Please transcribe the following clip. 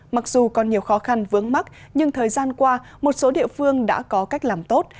mặc dù còn nhiều khó khăn vướng mắt nhưng thời gian qua một số địa phương đã có cách làm tốt